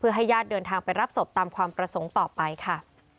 ให้ญาติเดินทางไปรับศพตามความประสงค์ต่อไปค่ะ